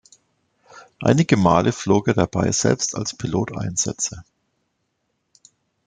Einige Male flog er dabei selbst als Pilot Einsätze.